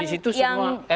di situ semua